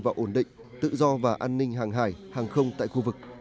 và ổn định tự do và an ninh hàng hải hàng không tại khu vực